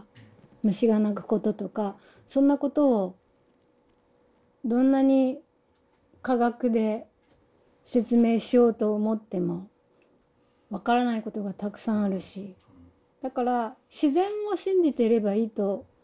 虫が鳴くこととかそんなことをどんなに科学で説明しようと思っても分からないことがたくさんあるしだから自然を信じていればいいと思いますよね。